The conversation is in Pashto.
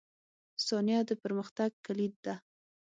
• ثانیه د پرمختګ کلید ده.